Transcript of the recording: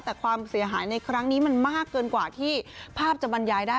แต่ความเสียหายในครั้งนี้มันมากเกินกว่าที่ภาพจะบรรยายได้